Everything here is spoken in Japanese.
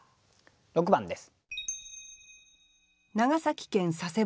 ６番です。